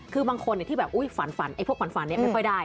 คือบางคนที่ฝันไอ้พวกฝันไม่ใช่ได้